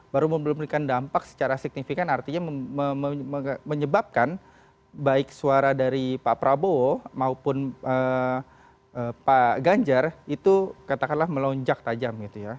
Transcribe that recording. baru memberikan dampak secara signifikan artinya menyebabkan baik suara dari pak prabowo maupun pak ganjar itu katakanlah melonjak tajam gitu ya